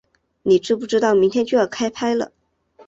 你知不知道明天就要开拍了